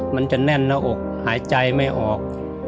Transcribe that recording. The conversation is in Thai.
มันจะแน่นหน้าอกหายใจไม่ออก